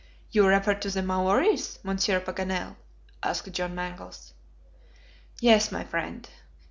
"You refer to the Maories, Monsieur Paganel?" asked John Mangles. "Yes, my friend.